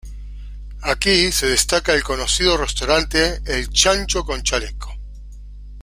Aquí se destaca el conocido restaurante El Chancho con Chaleco.